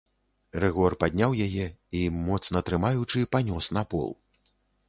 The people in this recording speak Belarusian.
Рыгор падняў яе і, моцна трымаючы, панёс на пол.